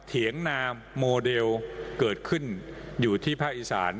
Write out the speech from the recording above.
เถียงนามโมเดลเกิดขึ้นอยู่ที่ภาคอีสาน